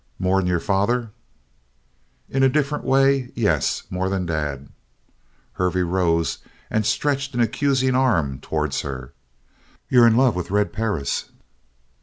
"More'n your father?" "In a different way yes, more than Dad!" Hervey rose and stretched an accusing arm towards her. "You're in love with Red Perris!"